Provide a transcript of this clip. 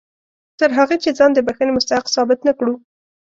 تر هغه چې ځان د بښنې مستحق ثابت نه کړو.